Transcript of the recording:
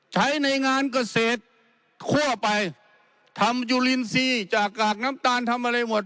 ใช้ในงานเกษตรทั่วไปทำจุลินทรีย์จากกากน้ำตาลทำอะไรหมด